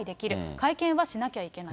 会見はしなきゃいけない。